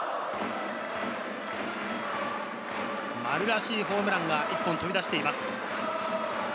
丸らしいホームランが１本飛び出しています。